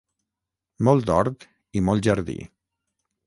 Molt hort i molt jardí.